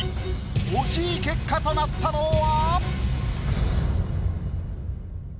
惜しい結果となったのは？